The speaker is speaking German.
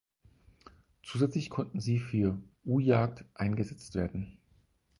Zusätzlich konnten sie für U-Jagd eingesetzt werden.